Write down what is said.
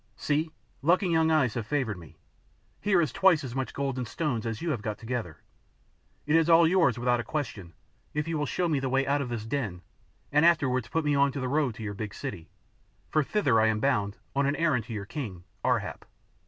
See, luck and young eyes have favoured me; here is twice as much gold and stones as you have got together it is all yours without a question if you will show me the way out of this den and afterwards put me on the road to your big city, for thither I am bound with an errand to your king, Ar hap."